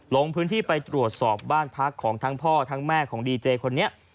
ลงพื้นที่ไปตรวจสอบบ้านพักของทั้งพ่อทั้งแม่ของดีเจคนนี้